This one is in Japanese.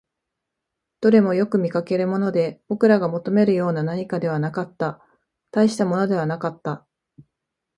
どれもよく見かけるもので、僕らが求めるような何かではなかった、大したものではなかった